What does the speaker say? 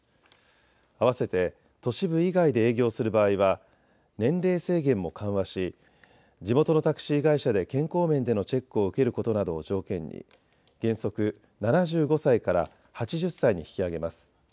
あわせて都市部以外で営業する場合は年齢制限も緩和し地元のタクシー会社で健康面でのチェックを受けることなどを条件に原則７５歳から８０歳に引き上げます。